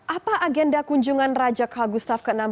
apa agenda kunjungan raja karl gustav ke enam belas